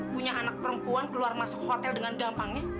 punya anak perempuan keluar masuk hotel dengan gampangnya